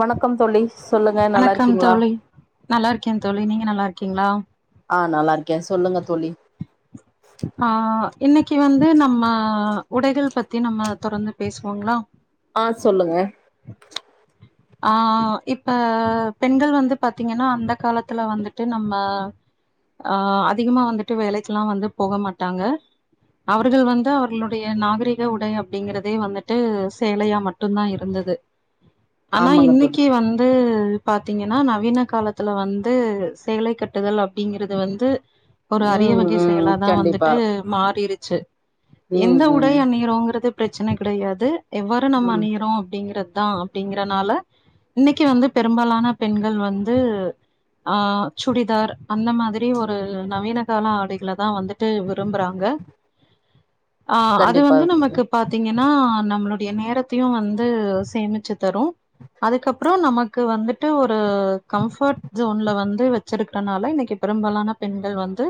வணக்கம் தோழி சொல்லுங்க வணக்கம் நல்லாருக்கீங்ளா? தோழி கிங்ளா? ஆ நல்லாருக்கே சொல்லுங்க தோழி ஆ இன்னக்கி வந்து நம்ம உடைகள் பத்தி நம்ம தொடர்ந்து பேசுவோங்ளா ஆ சொல்லுங்க ஆ இப்ப பெண்கள் வந்து பாத்தீங்கன்னா அந்த காலத்துல வந்துட்டு நம்ம ஆ அதிகமா வந்துட்டு வேலைக்குல்லா வந்து போக மாட்டாங்க அவர்கள் வந்து அவர்களுடைய நாகரீக உடை அப்டிங்கிறதே வந்துட்டு சேலையா மட்டுந்தா இருந்தது ஆனா ஆமாங்க தோழி இன்னக்கி வந்து பாத்தீங்கனா நவீன காலத்துல வந்து சேலை கட்டுதல் அப் டிங்கிறது வந்து ஒரு அரிய ம் வகை ம் செயலா தா கண்டிப்பா வந்துட்டு மாறிரு ச்சு ம் எந்த உடை ம் அணியிறோங்குறது பிரச்சன கிடயாது எவ்வாறு நம்ம ம் அணியிறோ அப்டிங்கிற தா அப்டிங்கிறனால இன்னக்கி வந்து பெரும்பாலான பெண்கள் வந்து ஆ சுடிதார் அந்த மாதிரி ஒரு நவீன கால ஆடைகளதா வந்துட்டு விரும்புறாங்க ஆ அது கண்டிப்பா வந்து நமக்குப் பாத்தீங்கன்னா நம்ளு டைய நேரத்தையு வந்து சேமிச்சு தரு அதுக்கப்றொ நமக்கு வந்துட்டு ஒ ரு கம்ஃபர்ட் ஜோன்ல வந் து வச்சுருக்றனால இன்னக்கி பெரும்பாலான பெண்கள் வந்து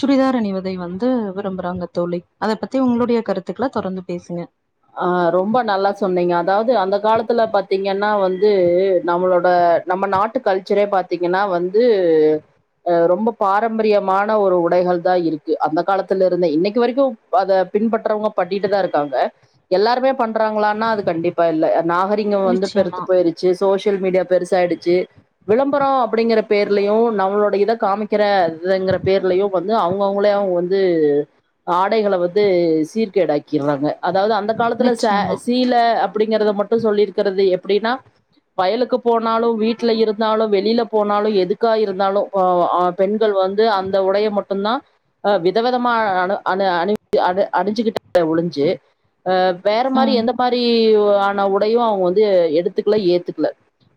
சுடிதார் அணிவதை வந்து விரும்புறாங்க தோழி அத பத்தி உங்ளுடைய கருத்துக்கள தொடர்ந்து பேசுங்க ஆ ரொம்ப நல்லா சொன்னீங்க அதாவ்து அந்த காலத்துல பாத்தீங்கன்னா வந்து நம்மளோட நம்ம நாட்டு கல்ச்சரே பாத்தீங்கன்னா வந்து அ ரொம்ப பாரம்பரியமான ஒரு உடைகள் தா இருக்கு அந்த காலத்துலருந்தே இன்னைக்கு வரைக்கு அத பின்பற்றவுங்க பண்ணிடிட்டுதா இருக்காங்க எல்லாருமே பண்றாங்களானா அது கண்டிப்பா இல்ல நாகரீகொ வந்து நிச்சயமா பெருத்துப் போயிருச்சு சோஷியல் மீடியா பெருசாயிடுச்சு விளம்பரோ அப்டிங்கிற பேர்லயு நம்ளோட இத காமிக்கிற இதங்கிற பேர்லயு வந்து அவுங்கவுங்களாவு வந்து ஆடைகள வந்து சீர்க்கேடாக்கிர்றாங்க அதாவுது அந் காலத்துல சே நிச்சயமா சீல அப் டிங்கறத மட்டு சொல்லிருக்கிறது எப்டின்னா வயலுக்கு போனாலு வீட்ல இருந்தாலு வெளியில போனாலு எதுக்கா இருந்தாலு ஆ ஆ பெண்கள் வந்து அந்த உடைய மட்டுந்தா ஆ விதவிதமா அணு அணு அணி அணி அணிஞ்சுகிட்டாங்களே ஒழிஞ்சு ஆ வேற மாரி ம். எந்த மாரி ஆன உடையு அவங்க வந்து எடுத்துக்கல ஏத்துக்கல.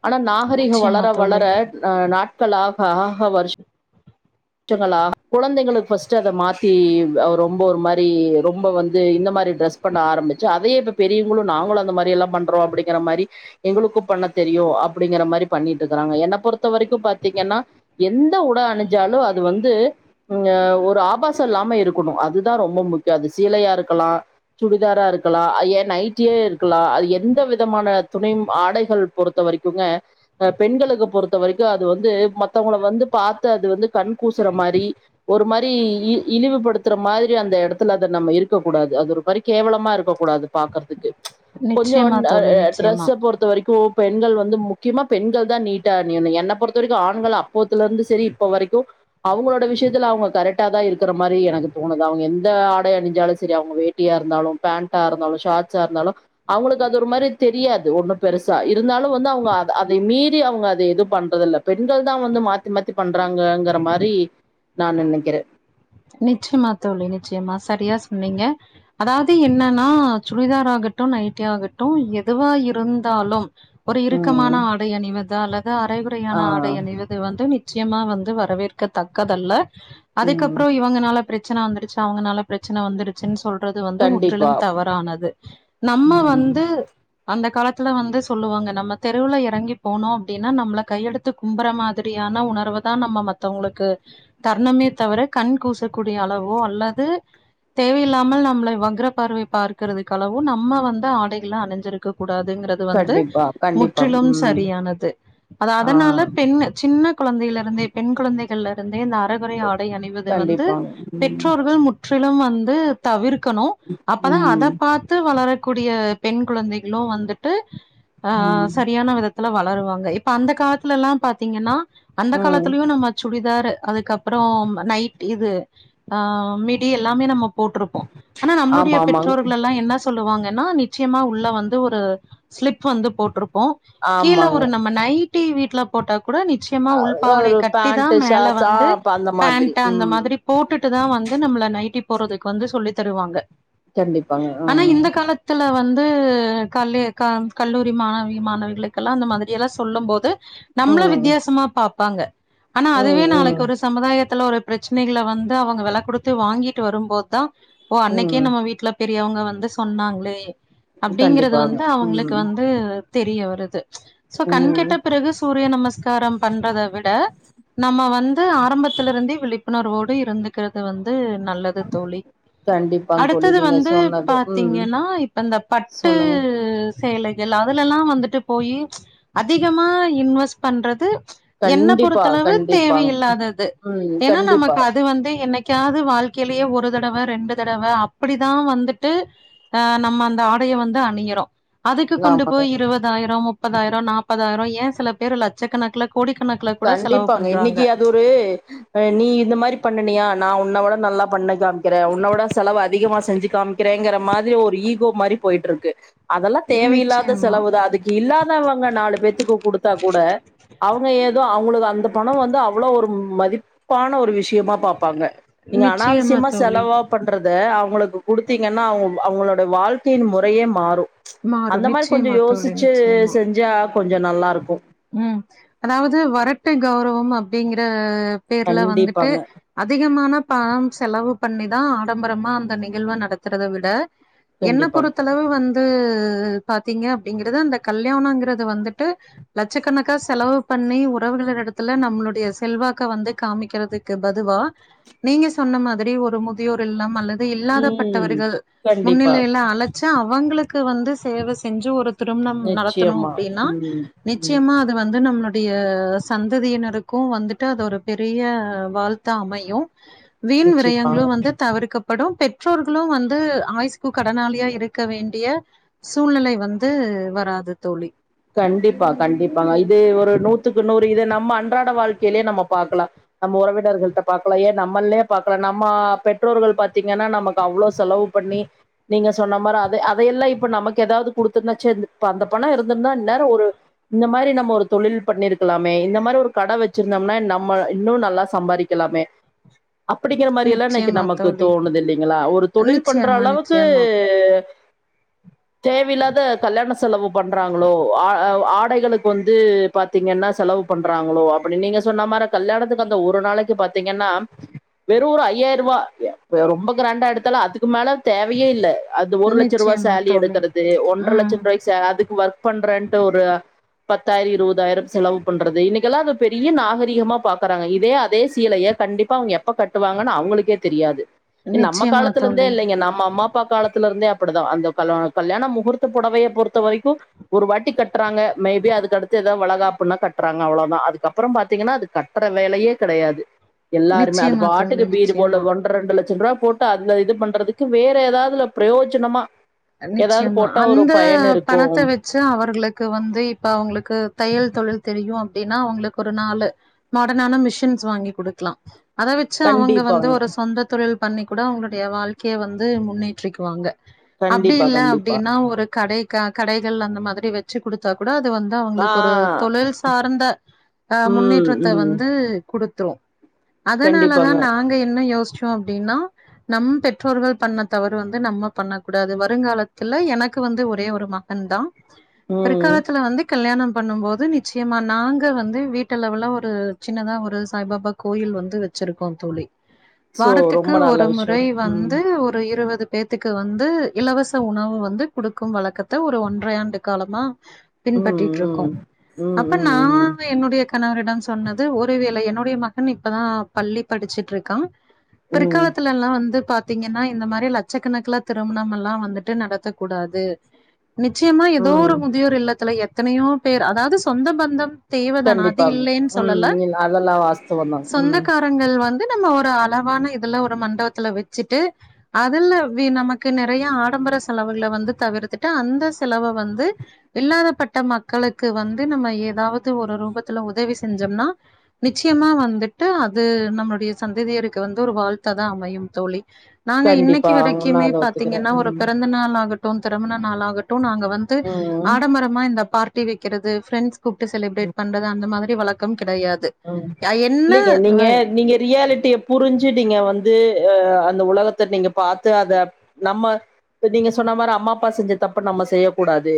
ஆனா நாகரீகோ நிச்சயமா வளர தோழி. வளர ஆ நாட் கள் ஆக ஆக வருஷங்களாக குழந்தைகளுக்கு ஃபஸ்ட்டு அத மாத்தி ஆ ரொம்ப ஒரு மாரி ரொம்ப வந்து இந்த மாரி ட்ரெஸ் பண்ண ஆரம்பிச்சு அதையே இப்ப பெரியவங்களு நாங்களு அந்த மாரி எல்லா பண்றோ அப்பிடிங்கிற மாரி எங்களுக்கு பண்ண தெரியும் அப்படிங்கிற மாரி பண்ணிட்டு இருக்கறாங்க என்னை பொறுத்த வரைக்கு பாத்தீங்கன்னா எந்த உட அணிஞ்சாலு அது வந்து ம் ஆ ஒரு ஆபாசோ இல்லாம இருக்கணு அதுதா ரொம்பொ முக்கியோ அது சீலையா இருக்கலா சுடிதாரா இருக்கலா ஆ ஏன் நைட்டியே இருக்கலா அது எந்த விதமான துணியும் ஆடைகள் பொறுத்த வரைக்குங்க அ பெண்களுக்கு பொறுத்தவரைக்கு அது வந்து மத்தவங்கள வந்து பாத்து அது வந்து கண் கூசுற மாரி ஒரு மாரி இ இழிவுபடுத்துற மாதிரி அந்த எடத்துல அத நம்ம இருக்கக் கூடாது அது ஒரு மாரி கேவலமா இருக்கக் கூடாது பாக்கறதுக்கு நிச்சயமா கொஞ்சோண்ட் ஆ தோழி, ஆ நிச்சயமா. ட்ரெஸ்ஸ பொறுத்த வரைக்கு பெண்கள் வந்து முக்கியமா பெண்கள்தா நீட்டா அணியணு என்ன பொறுத்த வரைக்கு ஆண்கள் அப்போதுல இருந்து சரி இப்ப வரைக்கு அவங்களோட விஷயத்துல அவங்க கரெக்டாதா இருக்கற மாரி எனக்கு தோணுது. அவங்க எந்த ஆடை அணிஞ்சாலு சரி அவங்க வேட்டியா இருந்தாலு பேண்ட்டா இருந்தாலு ஷார்ட்ஸா இருந்தாலு அவங்களுக்கு அது ஒரு மாரி தெரியாது ஒண்ணு பெருசா. இருந்தாலு வந்து அவங்க அத அதைய மீறி அவங்க எது எதும் பண்றது இல்ல. பெண்கள்தா வந்து மாத்தி மாத்தி பண்றாங்கங்கற மாரி நா நெனைக்கிறே. நிச்சயமா தோழி நிச்சயமா சரியா சொன்னீங்க. அதாவது என்னன்னா சுடிதாராகட்டு நைட்டி ஆகட்டு எதுவா இருந்தாலும் ஒரு இறுக்கமான ம். ஆடை அணிவதால து அரைகுறையான ஆ. ஆடை அணிவது வந்து நி ச்சயமா வந்து வரவேற்கத்தக்கதல்ல ம் அதுக்கப்புறம் இவங்கனால பிரச்சன வந்துருச்சு அவங்கனால பிர ச்சன வந்துருச்சுன்னு சொல்றது வந்து கண்டிப்பா. முற்றிலும் தவறானது. நம்ம ம். வந்து அந்த கால த்துல வந்து சொல்லுவாங்க நம்ம தெருவுல எறங்கி போனோ அப்டின்னா நம்மள கையெடுத்து கும்புற மாதிரியான உணர்வுதா நம்ம மத்தவங்களுக்கு தர்ணமே தவிர கண் கூசக்கூடிய அளவோ அல்லது தேவையில்லாமல் நம்மள வக்ர பார்வை பார்க்கிறதுக்கு அளவோ நம்ம வந்து ஆடைகள்லா அணிஞ்சிருக்க கூடாதுங்கிறது வந்து கண்டிப்பா, கண்டிப்பா. முற்றிலும் ம். சரியானது. அது ஆ அதனால பெண் சின்ன குழந்தைல இருந்தே பெண் குழந்தை கள்ல இருந்தே இந்த அரகுறை ஆடை அணிவ து வந்து கண்டிப்பாங்க ம் பெற்றோர்கள் முற் றிலும் வந்து தவிர் க்கணு அப்பதா அத ம் பாத்து வளரக்கூடிய பெண் குழந்தைகளு வந்துட்டு ஆ ஆ ம் சரியான விதத்துல வளருவாங் ல இப்ப அந்த காலத்துல எல்லா பாத்தீங்கன்னா அந்த ம் காலத்துலயு நம்ம சுடிதார் அதுக்கப்புறோ நை இது ஆ மிடி எல்லாமே நம்ம போட்டிருப்போ ஆனா ஆமா நம்மளுடைய ஆமாங் பெற்றோர்களெல்லா என்ன சொ சொல்லுவாங்கன்னா நிச்சயமா உள்ள வந்து ஒரு ஸ்லிப் வந்து போட்டிருப்போ கீழ ஆமாங்க ஒரு நம்ம நை டீ வீட்ல போட்டாக் கூட நிச்சயமா அ உள்பாவடைய ஒரு கட்டி தா பேண்ட் மேல ஷார்ட்ஸ் ஆ வந்து அப்ப அந்த பேண் மாதிரி ந அந்த ம் மாதிரி போட்டுட்டு தா வந்து நம்மள நை விக்கி போறதுக்கு வந்து சொல்லி தருவாங்க கண்டிப்பாங்க ஆனா ம் இந்த காலத்துல வந் வந்து கல்லே கல்லூரி மாணவி மாணவிகளுக்கெல்லா அந்த மாதிரியெல்லா சொல்லு போது நம்மள ம் வித்தியாசமா பாப் வாங்க ஆனா அதுவே ம் நாளைக்கு ம் ஒரு சமுதாயத் கலோ ரெப் பிரச்சனைகள வந்து அவுங்க வெல குடுத்து வாங்கிட்டு வரும்போது தா ஓ அன்னைக்கே ம் நம்ம வீட்ல பெ அப்டி அவுங்க வந்து சொன்னாங்ளே அப்டிங்குறது கண்டிப்பாங்க வந்து அவுங்களுக்கு ம் வந்து தெரிய வருது ச் சொ ம் கண்கெட்ட பிறகு சூரிய நமஸ்கார பண்றத விட நம்ம வந்து ஆரம்பத்துல இருந்தே விழிப் உணர்வோடு இருந்துக்குறது வந்து இது நல்லது தோழி கண்டிப்பாங்க தோழி அடுத்தது நீங்க வந்து சொன்னது ம் பாத்தீங்கன்னா இப்ப இந்த பட்டு சொல்லுங்க செயலைகள் அதுலலா வந்துட்டு போய் ச் அதிகமா இன்வெஸ் பண்றது ச் என்ன கண்டிப்பா பொறுத்தளவு கண்டிப்பாங்க தேவையில்லாதது ம் எனா கண்டிப்பா நமக்கு அது வந்து என்னைக்காவது வாழ்க்கையிலயே ஒரு தடவ ரெண்டு தடவ அப்டிதா வந்துட்டு ஆ நம்ம அந்த ஆடைய வந்து அணியிறோ அதுக்கு கொண்டு ஆமாங்க போய் இருபதாயிரோ முப்பதாயிர நாப்பதாயிர ஏ சில பேர் லட்சக்கணக்குல கோடிக்கணக்குல கூட செலவு கண்டிப்பாங்க பண்றாங்க. இன்னைக்கு அது ஒரு அ நீ இந்த மாரி பண்ணினியா நா உன்னோட நல்லா பண்ணே காமிக்கிறே உன்னோட செலவு அதிகமா செஞ்சு காமிக்கிறேங்கிற மாரி ஒரு ஈகோ மாரி போயிட்டு இருக்கு அதெல்லா தேவையில்லாத நிச்சயமா. செலவு தா அதுக்கு இல்லாதவங்க நாலு பேத்துக்கு குடுத்தா கூட அவுங்க ஏது அது அந்த பண வந்து அவ்வளவு ஒரு மதிப்பான ஒரு விஷய முக்கியமா பாப்பாங்க நீங்க நிச்சயமா அனாவசியமா தோழி. செலவா பண்றது இத அவுங்களுக்கு குடுத்தீங்கன்னா அவுங்க அவங்களோட வாழ்க்கை முறையே மாறு ச் அந்த மாறும். மாரி கொஞ்ச நிச்சயமா தோழி, யோசிச்சு நிச்சயமா. செஞ்சா கொஞ்ச நல்லா இருக்கு ம் அதாது வறட்டு கௌரவ அப்டிங்கற பேர்ல வந்துட்டு கண்டிப்பாங்க அதிகமானப் பம் செலவு பண்ணிதா ஆடம்பரமா அந்த நிகழ்வ நடத்துறத விட என்ன கண்டிப்பாங்க பொறுத்தளவு வந்து உஉ பாத்தீங்க அப்டிங்கறது அந்த கல்யாணங்கறது வந்துட்டு லட்சக்கணக்காக செலவு பண்ணி உறவுகள் எடத்துல நம்மளுடைய செல்வாக்க வந்து காமிக்கறதுக்கு பதுவா நீங்க சொன்ன மாரி ஒரு முதியோர் இல்ல அல்ல த ம் இல்லாதப்பட்டவர்கள் கண்டிப்பா முன்னிலையில அழைச்ச அவுங்களுக் க்கு வந்து சேவ செஞ்சு ஒருக் திருமண நடத்தணு நிச்சயமா அப்டின்னா ம் ம் நிச்சயமா அது வ அது வந்து நம்மளுடைய சந்ததியினருக்கு வந்துட்டு அது ஒரு பெரிய வாழ்த்தா அமையு வீண் விரயங்களு நிச்சயமாங்க வந்து தவிர்க்கப் படும் பெற்றோர்களு வந்து ஆயுஸ்கு கடனாளியா இருக்க வேண்டிய சூழ்நிலை வந்து வராது தோழி கண்டிப்பா கண்டிப்பாங்க இது ஒரு நூத் இது நூத்துக்கு நூறு இத நம்ம அன்றாட வாழ்க்கையிலே நம்ம பாக்கலா நம்ம உறவினர்கள பாக்கலா ஏன் நம்மல்லே நம்ம பெற்றோர்கள் பாத்தீங்கன்னா நமக்கு அவ்ளோ செலவு பண்ணி நீங்க சொன்ன மாரி அத அதையெல்லா இப்ப நமக்கு ஏதாது குடுத்து செ அந்த பண இந்துருந்தா இந்நேர ஒரு இந்த மாரி நம்ம ஒரு தொழில் பண்ணிருக்கலாமே இந்த மாரி ஒரு கட வச்சுருந்தோம்னா நம்ம இன்னு நல்லா சம்பாதிக்கலாமே அப்டிங்கிற மாரி எல்லா இன்னைக்கு நிச்சயமா நமக்கு தோழி தோணுது இல்லிங்களா ஒரு தொழில் பண்ற நிச்சயமா அளவுக்கு நிச்சயமா தேவ இல்லாத கல்யாண செலவு பண் ட்றாங்களோ ஆ ஆடைகளுக்கு வந்து பாத்தீங்கன்னா செலவு பண்றாங்களோ அப்டி நீங்க சொன்ன மாரி கல்யாணத்துக்கு அந்த ஒரு நாளைக்கு பாத்தீங்கன்னா வெறும் ஒரு ஐயாயிர ரூபா ரொம்ப கிராண்டா எடுத்தாலோ அதுக்கு மேல தேவயே இல்ல அது ஒரு லட்ச ரூபா நிச்சயமா சேலி தோழி எடுக்குறது ஒன்றர லட்ச ம் ரூபாய்க்கு அதுக் பண்றேன்ட்டு ஒரு அ பத்தாயிர இருபதாயிர செலவு பண்றது இன்னைக்கெல்லாம் அது பெரிய நாகரீகமா பாக்குறாங்க இதே அதே சீலைய கண்டிப்பா அவங்க எப்ப கட்டுவாங்கன்னு அவங்களுக்கே தெரியாது நம்ம நிச்சயமா காலத்துல இந்தே தோழி இல்லைங்க நம்ம அம்மா ப்பா காலத்தில இருந்தே அப்பிடிதா அந்த கல் கல்யாண முகூர்த்த போடவைய பொறுத்த வரைக்கு ஒரு வாட்டி கட்டுறாங்க மேபி அதுக்கடுத்து ஏதா வலகாப்புன்னா கட்டுறாங்க அவ்ளோதா அதுக்கப்புறோ பாத்தீங்கன்னா அது கட்டுற வேலையே கெடையாது எல்லாருமே அது நிச்சயமா தோழி பாட்டுக்கு பீடு நிச்சயமா போல ஒன்ற ரெண்டு லட்ச த்துவா போட்டு அதுல இது பண்றதுக்கு வேற ஏதாதுல பிரயோஜனமா ஏதாவது போட்டா ஒரு பயன் இருக்கும் ச்சி அவர்களுக்கு வந்து இப்ப அவங்களுக்கு தையல் தொழி தெரியு அப்பிடின்னா அவங்களுக்கு ஒரு நாலு மாடனான மிஷின்ஸ் வாங்கி குடுக்கலா அத வச்சி அவுங்க வந்து கண்டிப்பாங்க ஒரு சொந்த தொழில் பண்ணி கூட அவுங்களுடைய வாழ்க்கைய வந்து முன்னேற்றிக்குவாங்க அப்பிடி கண்டிப்பா இல்ல கண்டிப்பா அப்பிடின்னா ஒரு கடை க கடைகள் அந்த மாதிரி வச்சு குடுத்தா கூட த் வந்து ஆ அவங்களுக்கு ஒரு தொழில் சார்ந்த அ ம் முன்னேற்றத்த ம் வந்து குடுத் த்திரு அதனாலதா கண்டிப்பாங்க நாங்க என்ன யோஷ் ஷோ அப்பிடின்னா நம் பெற்றோர்கள் பண்ண தவறு வந்து நம்ம பண்ணக் கூடாது வருங்காலத்துல எனக்கு வந்து ஒரே ஒரு மகன் தா ம் பிற்க்காலத்துல வந்து கல்யாணம் பண்ணு போது நிச்சயமா நாங்க வந்து வீட்டுலெவல்லா ஒரு சின்னதா ஒரு சாய்பாபா கோயில் வந்து வெச்சிருக்கோ தோழி சோ வாரத்துக்கு ரொம்ப நல்ல ஒரு முறை விஷயம் ம் வந்து ஒரு இருவத் இது பேத்துக்கு வந் து இலவச உணவு வந்து குடுக்கும் வழக்கத்த ஒரு ஒன்றை ஆண்டு காலமா ம் பின்பற்றிட்டு இருக்கோ ம் ம் அப்ப நா ம் வே என்னுடைய க கணவரிடம் சொன்னது ஒரு வேலை என்னுடைய மகன் இப்பதா பள்ளி படிச்சிட்யிருக்கா ம் பிற்காலத்துல்லா வந்து பாத் த்தீங்கன்னா இந்த மாரி லட்சக்கணக்குல திருமணம்ல்லா வந்துட்டு நடத்தக் கூடாது நிச்சயமா ஏதோ ஒரு ம் முதியோர் இல்லத்துல எத் எத்தனையோ பேர் அதாவது சொந்த பந்தம் தேவதான அது கண்டிப்பா இல்லேன்னு ம் சொல்லல எ அதெல்லா வாஸ்துவதா ம் இதுநம்ம ஒரு அளவான இதுல ஒரு மண்வத்துல வெச்சிட்டு அதுல்ல வி நமக் கு நறைய ஆடம்பர செலவுகள வந்து தவிர்த்துட்டு அந்த செலவ வந்து இல்லாதப்பட்ட மக்களுக்கு வந்து நம்ம ஏதாவது ஒரு ரூபத்துல உதவி செஞ்சோம்னா நிச்சயமா வந்துட்டு அது நம்மளுடைய சந்ததியருக்கு வந்து ஒரு வாழ்த்தா தா அமையும் தோழி நாங்க இன்னைக்கி கண்டிப்பா நா வரைக்குமே அத பாத் ஒத்துக்கிறே பாத்திங்கன்னா ஒரு ம் பிறந்த நாள் ஆகட் ட்டோ திருமனா நாலாக டோ நாங்க வந்து ம் ஆடம்பரமா இந்த பார்ட் டீ வெக்கிறது ஃப்ரெண்ஸ் கூப்ட்டு செலிப்ரேட் பண்றது அந்த மாதிரி வழக் அ இல்லங்க அ நீங்க நீங்க ரியாலிட்டிய புரிஞ்சு நீங்க வந்து அந்த உலகத்த நீங்க பாத்து அத நம்ம நீங்க சொன்ன மாரி அம்மா அப்பா செஞ்ச தப்ப நம்ம செய்யக்கூடாது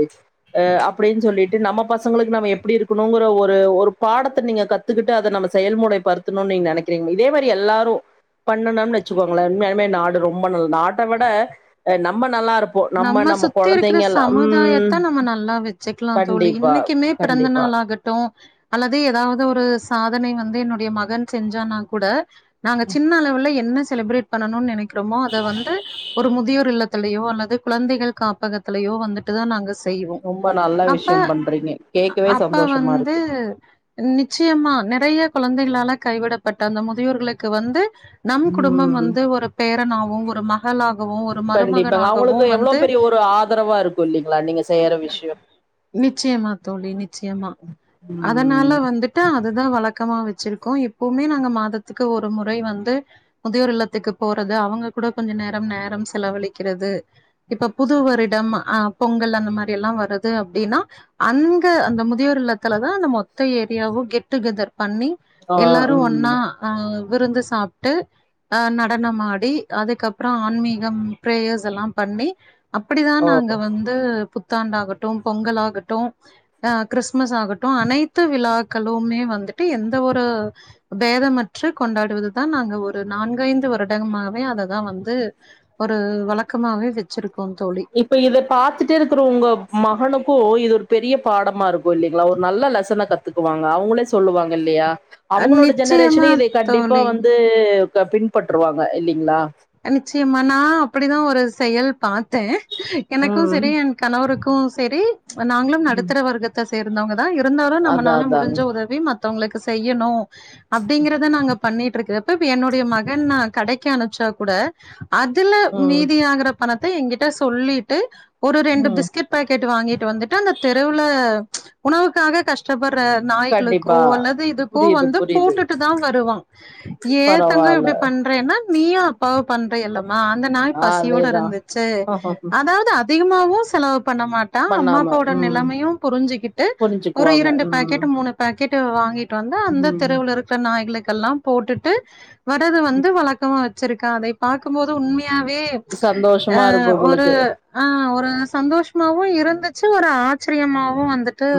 அ அப்டின்னு சொல்லிட்டு நம்ம பசங்களுக்கு நம்ம எப்டி இருக்கணுங்கிற ஒரு ஒரு பாடத்த நீங்க க கத்துக்கிட்டு அதநம்ப செயல்முறைபடுத்தனும்னு நீங்க நினைக்கிறீங்க இதே மாரி எல்லாரு பண்ணணும் வச்சுக்கோங்கலே உண்மையாலுமே நாடு ரொம்ப நல்ல நாட்ட விட ஆ நம்பன் நம்ம சுத்தி இருக்குற ம் சமுதாயத்த நம்ம நல்லா வச்சுக்கலா தோழி கண்டிப்பா இன்னைக்குமே கண்டிப்பா பிறந்தநாள் ஆகட்டு அல்லது எதாவது ஒரு சாதனை வந்து என்னுடைய மகன் செஞ்சானா கூட நாங்க சின்ன அளவுல என்ன செலப்ரேட் பண்ணனும்னு நனைக் க்றமோ அத வந்து ஒரு முதியோர் இல்லத் திலையோ அல்லது குழந்தைகள் காப்பகத்துலயோ வந்துட்டு தா நாங்கஸ் செய்வோ ரொம்ப நல்ல அப்ப விஷயம் பண்றீங்க கேக்கவே அப்ப சந்தோஷமா வந்து இருக்கு நிச்சயமா நறைய குழந்தைகளால கைவிடப்பட்ட அந்த முதியோர்களுக்கு வந்து நம் குடும்பம் ம் வந்து ஒரு பேரனாவ் ஓங்குறோமா மகளாகவு ஒரு மருமகனாகவு எவ்வள வந்து பெரிய ஒரு ஆதரவா இருக்கு இல்லைங்களா நீங்க செய்யற விஷயோ நிச்சயமா தோழி, நிச்சயமா. உ ழக்கமா வச்சிருக்கோ இப்பவுமே நாங்க மாதத்துக்கு ஒரு முறை வந்து முதியோர் இல்லத்துக்கு போறது அவங்க கூட கொஞ்ச நேரோ நேரம் செலவழிக்கிறது இப்ப புது வருடம் அ பொங்கல் அந்த மாரி எல்லா வருது அப்டின்னா அங்க அந்த முதியோர் இல்லத்துலதா அந்த மொத்த ஏரியாவு கெட் டுகெதர் பண்ணி ஆ எல்லாரு ஒன்னா ம் ஆவ் விருந்து சாப்ட்டு ஆ நடனமாடி அதுக்கப்புற ஆன்மீகம் பிரேயர்ஸ் எல்லா பண்ணி அப்டிதா நாங்க ஓ வந்து புத்தாண்டாகட்டு பொங்கல் ஆகட்டு அ கிறிஸ்துமஸ் ஆகட்டு அனைத்து விழாக்களுமே வந்துட்டு எந்த ஒரு பேதமற்று கொண்டாடுவதுதா நாங்க ஒரு நான்கைந்து வருடமாவே அததா வந்து ஒரு வழக்க பழக்கமாவே வச்சிருக்கு இப்ப இத பத்துட்டு இருக்கிற உங்க மகனுக்கு இது ஒரு பெரிய பாடமா இருக்கு இல்லைங்ளா ஒரு நல்ல லெசன கத்துக்குவாங்க அவுங்களே சொல்லுவாங்க இல்லையா அஹ் அவுங்களோட நிச்சயமா ஜெனரேஷன இத கண்டிப்பா தோழி வந்து பின்பற்றுவாங்க இல்லைங்ளா நிச்சயமா நா அப்டிதா ஒரு செயல் பா தே எனக்கு ம் சரி என் கணவருக்கு க்கு செரி நாங்களு ம் நடுத்தர வர்க்கத்த இருந்தாங்க இருந்தாலு அதா நம்மளால அதாங்க முடிஞ்ச உதவி ம மத்தவங்களுக்கு செய்யணு அப்டீங்கறத நாங்க பண்ணிட்டு இருக்கப்ப இப்ப என்னுடைய மகன் நா கடைக்க கடைக்கு அனுப்பிச்சா கூட அதுல ம் மீதியாகுற பணத்த என்கிட்ட சொல்லிட்டு ஒரு ரெண்டு ம் பிஸ்கட் பாக்கெட் வாங்கிட்டு வந்துட்டு அந்த தெருவுல உணவுக்காக கஷ்டப்பட்டு நாய்களுக்கோ கண்டிப்பா அல்லது இதுக்கோ புரியுது வந்து புரியுது போட்டுட்டு தா வருவா ஏத்தங்கோ பரவால்ல இப்டி பண்றேன்னா நீயா பண்ற எல்லா அந்த நாய் பசியோட அதேதா இருந்துச்சு அதாவது அதிகமாவு செல பண்ண மாட்டா அம்மா பண்ணாம அப்பாவோட ம் நெலமயு புரிஞ்சுக்கிட்டு ஒரு புரிஞ்சுக்குவாங்க இரண்டு ம் பாக்கெட் மூனு பாக்கெட் கேட்டு வாங்கிட்டு வந்து அந்த ம் தெருவுல இருக்ற நாய்களுக்கு கெல்லா போட்டுட்டு வரது வந்து வழக்கமா வச்ச ருக்க அத பாக்கும் போது உண்ம உண்மையாவே சந்தோஷமா இருக்கு ஒரு உங்களுக்கு ஆ ஒரு சந்தோஷமாவவும் இருந்துச்சு ஒரு ஆச்சரியமாவும் வந்துட்டு ம்